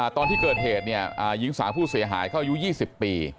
ตอนที่เกิดเหตุหญิงสาวผู้เสียหายเขาอายุ๒๐ปี